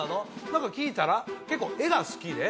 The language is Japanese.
何か聞いたら結構絵が好きで？